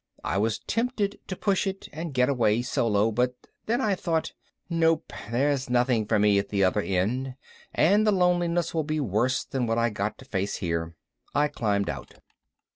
I was tempted to push it and get away solo, but then I thought, nope, there's nothing for me at the other end and the loneliness will be worse than what I got to face here. I climbed out.